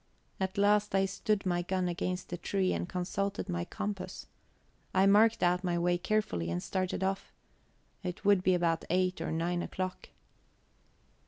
At last I stood my gun against a tree and consulted my compass. I marked out my way carefully and started off. It would be about eight or nine o'clock.